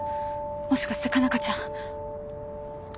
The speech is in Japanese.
もしかして佳奈花ちゃん。